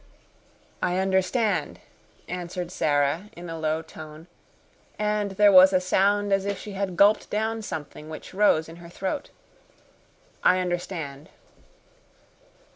"I understand," answered Sara, in a low tone; and there was a sound as if she had gulped down something which rose in her throat. "I understand."